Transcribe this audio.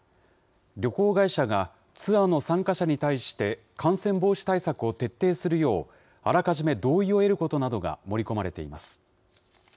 旅行会社がツアーの参加者に対して、感染防止対策を徹底するよう、あらかじめ同意を得ることなどが盛り込まれています。